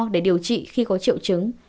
để điều trị khi có triệu chứng